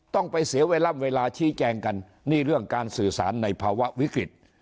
ต้องไปเสียเวลาชี้แจงกันนี่เรื่องการสื่อสารในภาวะวิกฤต